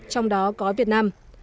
trong đó có việt nam